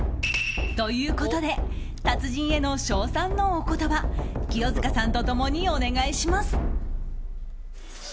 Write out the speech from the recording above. ということで達人への称賛のお言葉清塚さんと共にお願いします。